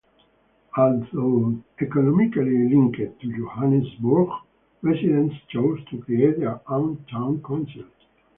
Although economically linked to Johannesburg, residents chose to create their own town council.